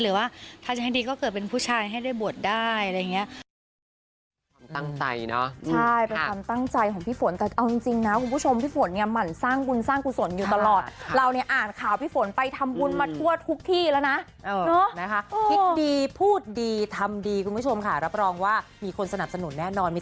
หรือว่าถ้าจะให้ดีก็เกิดเป็นผู้ชายให้ได้บวชได้อะไรอย่างนี้